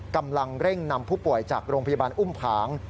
กำลังเร่งนำผู้ป่วยจากโรงพยาบาลอุ้มผาง